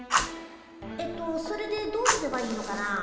えっとそれでどうすればいいのかな？